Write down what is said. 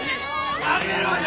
やめろよ！